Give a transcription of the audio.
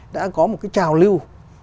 đã có một cái trào lưu